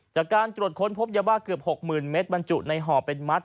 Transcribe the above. จากการตรวจค้นพบยาบ้าเกือบ๖๐๐๐เมตรบรรจุในห่อเป็นมัด